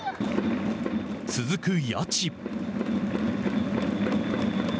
続く谷内。